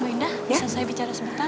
bu indah bisa saya bicara sebentar